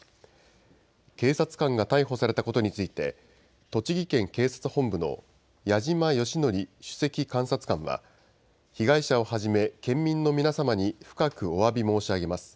警察官が逮捕されたことについて、栃木県警察本部の谷島義則首席監察官は、被害者をはじめ県民の皆様に深くおわび申し上げます。